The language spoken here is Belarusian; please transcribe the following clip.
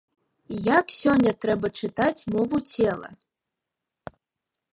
Як сёння трэба чытаць мову цела?